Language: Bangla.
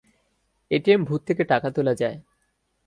এটিএম বুথ থেকে টাকা তোলা যায়।